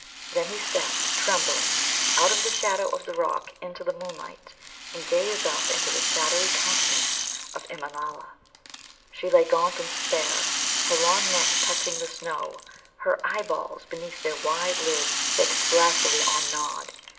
Then he stepped, trembling, out of the shadow of the rock into the moonlight, and gazed up into the shadowy countenance of Immanâla. She lay gaunt and spare, her long neck touching the snow, her eye balls beneath their wide lids fixed glassily on Nod.